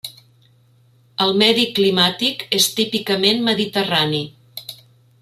El medi climàtic és típicament mediterrani.